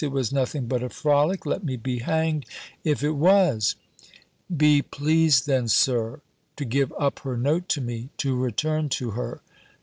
It was nothing but a frolic. Let me be hanged, if it was!" "Be pleased then, Sir, to give up her note to me, to return to her.